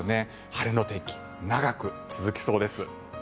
晴れの天気、長く続きそうです。